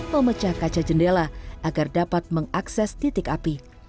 memecah kaca jendela agar dapat mengakses titik api